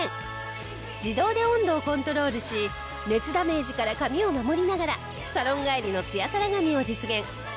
自動で温度をコントロールし熱ダメージから髪を守りながらサロン帰りのツヤサラ髪を実現。